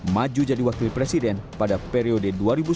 maju jadi wakil presiden pada periode dua ribu sembilan belas dua ribu